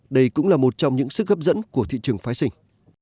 đây cũng là một trong những sức hấp dẫn của thị trường phái sinh